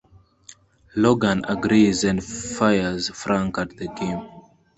Logan agrees and fires Frank at the game.